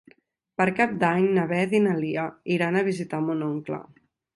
Per Cap d'Any na Beth i na Lia iran a visitar mon oncle.